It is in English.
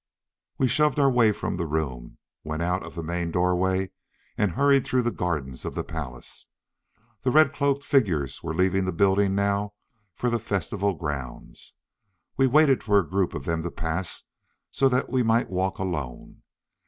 We shoved our way from the room, went out of the main doorway and hurried through the gardens of the palace. The red cloaked figures were leaving the building now for the festival grounds. We waited for a group of them to pass so that we might walk alone.